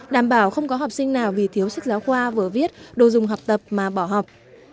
đảm bảo không có học sinh nào vì thiếu sách giáo khoa vừa viết đồ dùng học tập mà bỏ học